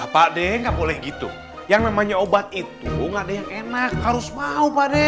pak de nggak boleh gitu yang namanya obat itu nggak ada yang enak harus mau pak dek